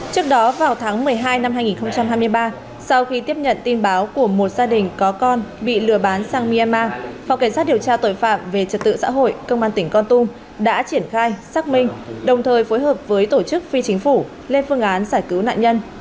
trước đó vào tháng một mươi hai năm hai nghìn hai mươi ba sau khi tiếp nhận tin báo của một gia đình có con bị lừa bán sang myanmar phòng cảnh sát điều tra tội phạm về trật tự xã hội công an tỉnh con tum đã triển khai xác minh đồng thời phối hợp với tổ chức phi chính phủ lên phương án giải cứu nạn nhân